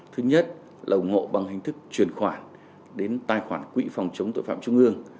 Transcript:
thứ nhất là ủng hộ bằng hình thức chuyển khoản đến tài khoản quỹ phòng chống tội phạm trung ương